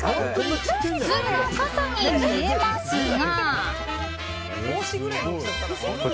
普通の傘に見えますが。